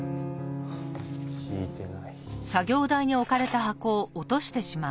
聞いてない。